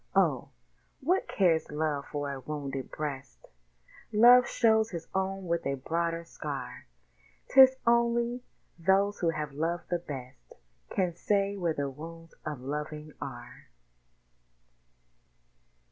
Oh! what cares Love for a wounded breast? Love shows his own with a broader scar: 'Tis only those who have loved the best Can say where the wounds of loving are.